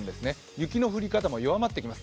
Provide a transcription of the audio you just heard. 雪の降り方も弱まってきます。